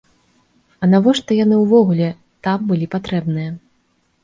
А навошта яны ўвогуле там былі патрэбныя?